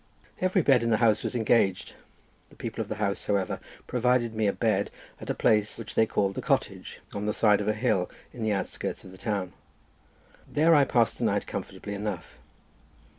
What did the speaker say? Every bed in the house was engaged—the people of the house, however, provided me a bed at a place which they called the cottage, on the side of a hill in the outskirts of the town. There I passed the night comfortably enough.